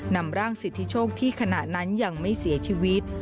นำร่างสิทธิโชคที่ขณะนั้นยังไม่เสียชีวิต